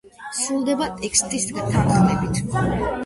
სრულდება ტექსტის თანხლებით.